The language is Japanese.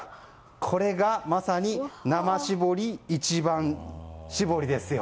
これがまさに生絞り、一番搾りですよ。